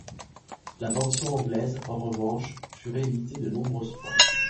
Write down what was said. La bande-son anglaise, en revanche, fut ré-éditée de nombreuses fois.